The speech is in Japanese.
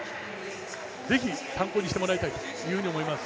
ぜひ参考にしてもらいたいと思います。